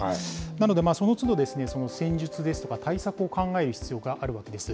なのでそのつど、戦術ですとか、対策を考える必要があるわけです。